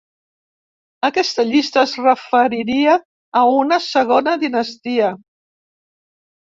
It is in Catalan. Aquesta llista es referiria a una segona dinastia.